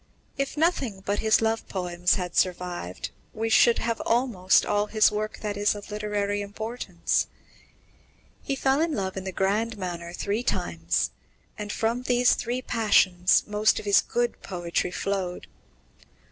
If nothing but his love poems had survived, we should have almost all his work that is of literary importance. He fell in love in the grand manner three times, and from these three passions most of his good poetry flowed.